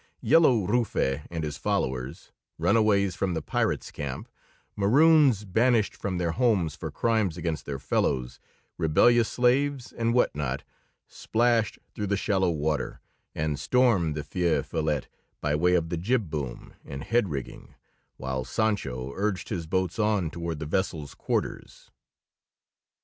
Yellow Rufe and his followers, runaways from the pirates' camp, maroons banished from their homes for crimes against their fellows, rebellious slaves, and what not, splashed through the shallow water and stormed the Feu Follette by way of the jib boom and head rigging, while Sancho urged his boats on toward the vessel's quarters.